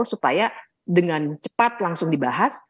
supaya dengan cepat langsung dibahas